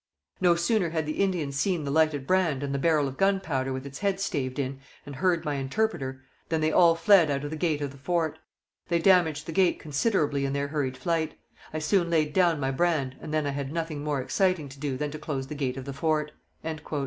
No sooner had the Indians seen the lighted brand, and the barrel of gunpowder with its head staved in, and heard my interpreter, than they all fled out of the gate of the fort. They damaged the gate considerably in their hurried flight. I soon laid down my brand, and then I had nothing more exciting to do than to close the gate of the fort.